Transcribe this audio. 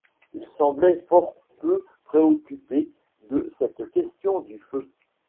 Il semblait fort peu préoccupé de cette question du feu.